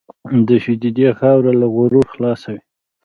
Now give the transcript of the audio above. د سجدې خاورې له غرور خلاصوي.